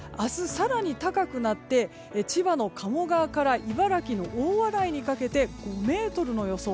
更に高くなって千葉の鴨川から茨城の大洗にかけて５ｍの予想。